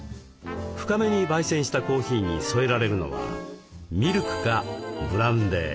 深めにばい煎したコーヒーに添えられるのはミルクかブランデー。